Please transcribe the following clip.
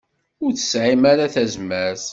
Ur tesɛim ara tazmert.